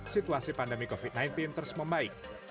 situasi pandemi covid sembilan belas terus membaik